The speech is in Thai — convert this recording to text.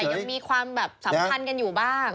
แต่ยังมีความสำคัญกันอยู่บ้าง